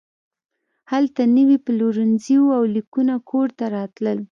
هلته نوي پلورنځي وو او لیکونه کور ته راتلل